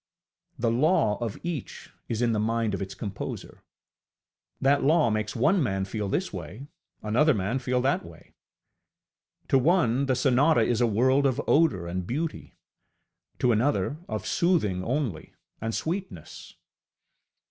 The law of each is in the mind of its composer; that law makes one man feel this way, another man feel that way. To one the sonata is a world of odour and beauty, to another of soothing only and sweetness.